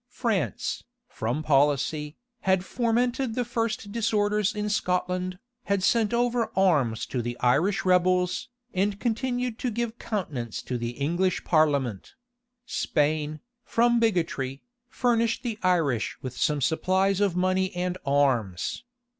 France, from policy, had fomented the first disorders in Scotland, had sent over arms to the Irish rebels, and continued to give countenance to the English parliament; Spain, from bigotry, furnished the Irish with some supplies of money and arms.